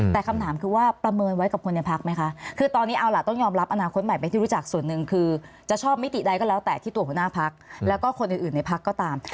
แต่คำถามคือว่าประเมินไว้กับคนในพักไหมคะคือตอนนี้เอาล่ะต้องยอมรับอนาคตใหม่เป็นที่รู้จักส่วนหนึ่งคือจะชอบมิติใดก็แล้วแต่ที่ตัวหัวหน้าพักแล้วก็คนอื่นในพักก็ตาม